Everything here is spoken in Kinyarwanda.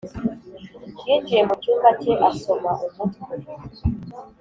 yinjiye mu cyumba cye asoma umutwe